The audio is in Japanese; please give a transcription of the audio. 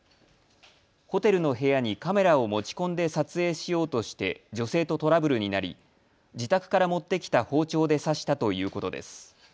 ホテルの部屋にカメラを持ち込んで撮影しようとして女性とトラブルになり自宅から持ってきた包丁で刺したということです。